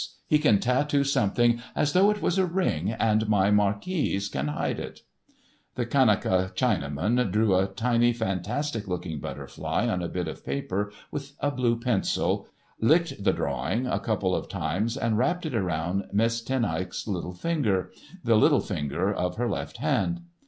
He can tattoo something as though it was a ring, and my marquise can hide it." The Kanaka Chinaman drew a tiny fantastic looking butterfly on a bit of paper with a blue pencil, licked the drawing a couple of times, and wrapped it about Miss Ten Eyck's little finger—the little finger of her left hand.